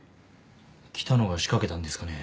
喜多野が仕掛けたんですかね？